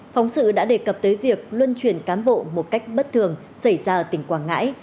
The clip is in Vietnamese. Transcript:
phóng sự đã đề cập tới việc luân chuyển cán bộ một cách bất thường xảy ra ở tỉnh quảng ngãi